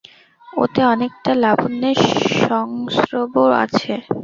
ওতে অনেকটা লাবণ্যের সংস্রব আছে।